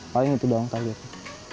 paling itu doang kali ya